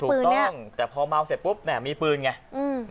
ปืนเนี้ยถูกต้องแต่พอเมาเสร็จปุ๊บเนี้ยมีปืนไงอืม